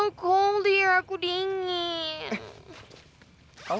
ngapain sih kamu